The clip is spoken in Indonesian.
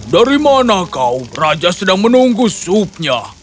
dari mana kau raja sedang menunggu supnya